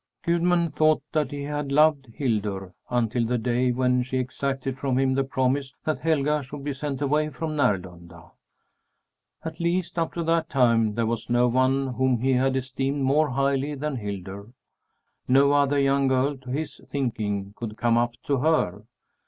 IV Gudmund thought that he had loved Hildur until the day when she exacted from him the promise that Helga should be sent away from Närlunda; at least up to that time there was no one whom he had esteemed more highly than Hildur. No other young girl, to his thinking, could come up to her.